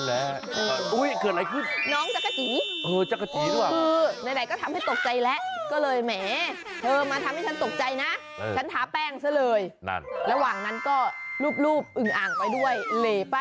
แต่เอาจริงเนอะไม่ต่อโทรมาทำให้ตกใจคนที่สาราบรูปช่างมันอะ